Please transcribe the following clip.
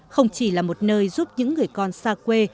không chỉ là một nơi giúp những người con xa quê